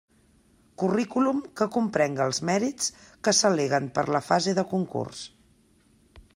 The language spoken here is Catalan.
Currículum que comprenga els mèrits que s'al·leguen per a la fase de concurs.